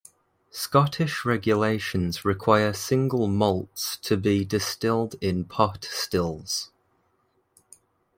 Scottish regulations require single malts to be distilled in pot stills.